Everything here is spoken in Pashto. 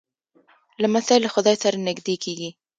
لمسی له خدای سره نږدې کېږي.